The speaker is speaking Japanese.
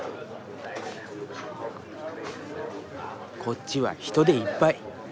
こっちは人でいっぱい。